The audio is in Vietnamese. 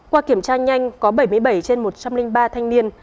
qua kiểm tra nhanh có bảy mươi bảy trên một trăm linh ba thanh niên